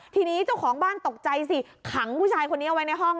ทีนี้เจ้าของบ้านตกใจสิขังผู้ชายคนนี้เอาไว้ในห้อง